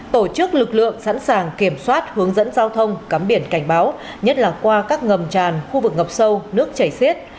tổ chức lực lượng sẵn sàng kiểm soát hướng dẫn giao thông cắm biển cảnh báo nhất là qua các ngầm tràn khu vực ngập sâu nước chảy xiết